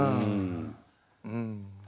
うん。